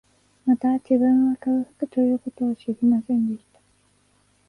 また、自分は、空腹という事を知りませんでした